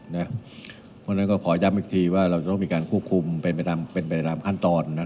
เพราะฉะนั้นก็ขอย้ำอีกทีว่าเราจะต้องมีการควบคุมเป็นไปตามขั้นตอน